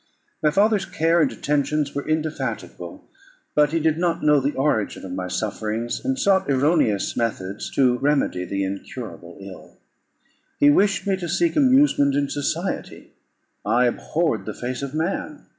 My father's care and attentions were indefatigable; but he did not know the origin of my sufferings, and sought erroneous methods to remedy the incurable ill. He wished me to seek amusement in society. I abhorred the face of man.